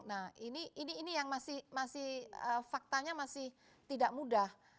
nah ini yang masih faktanya masih tidak mudah